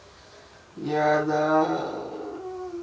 やだ。